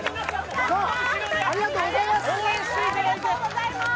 ありがとうございます。